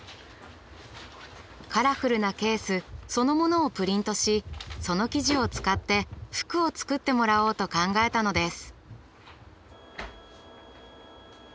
カラフルなケースそのものをプリントしその生地を使って服を作ってもらおうと考えたのです。